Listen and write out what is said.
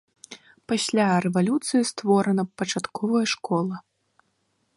Пасля рэвалюцыі створана пачатковая школу.